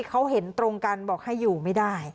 เขาเห็นตรงกันบอกให้อยู่ไม่ได้